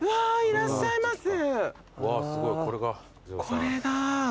これだ。